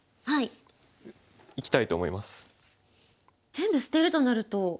はい。